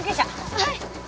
はい！